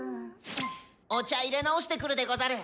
お茶いれ直してくるでござる。